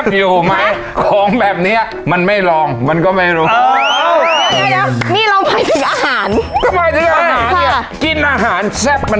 จริงโอ้โหแค่เสื้อพี่โน่นุ่มเรียกว่าติดทีมชาติชุดเอ